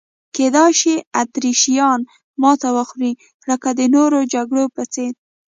کېدای شي اتریشیان ماته وخوري لکه د نورو جګړو په څېر.